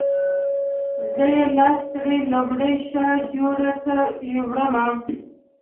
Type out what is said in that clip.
زه یې لاس تړلی لومړی شا جوی ته یووړم.